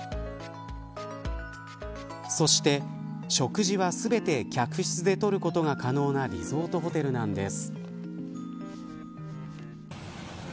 そして、食事は全て客室で取ることが可能なリゾートホテルなんです。